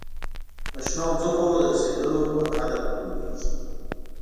د شنو مځکو د رسېدلو په قدر نه پوهیږي.